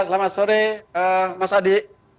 selamat sore mas adi